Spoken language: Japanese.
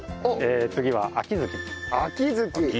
次はあきづき。